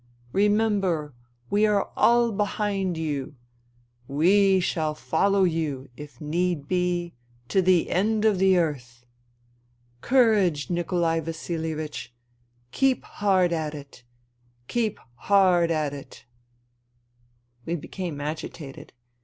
Remember, we are all behind you ; we shall follow you, if need be, to the end of the earth. Courage, Nikolai Vasilievich I Keep hard at it ! Keep hard at it !" We became agitated.